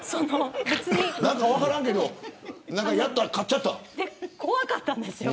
分からんけどやったら勝っちゃった。